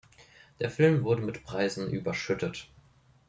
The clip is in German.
Der Film wurde mit Preisen überschüttet.